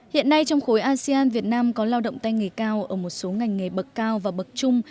hiện nay trong khối asean việt nam có lao động tay nghề cao ở một số ngành nghề bậc cao và bậc trung